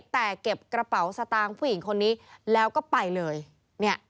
แต่เก็บกระเป๋าสตางค์ผู้หญิงคนนี้แล้วก็ไปเลยเนี่ย